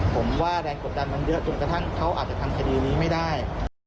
ผมว่าแรงกดดันมันเยอะจนกระทั่งเขาอาจจะทำคดีนี้ไม่ได้